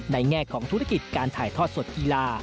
แง่ของธุรกิจการถ่ายทอดสดกีฬา